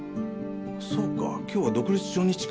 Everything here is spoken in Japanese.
そうか今日は独立初日か。